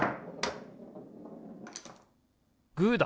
グーだ！